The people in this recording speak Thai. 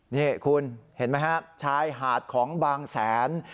นี่คุณเห็นไหมครับชายหาดของบางแสน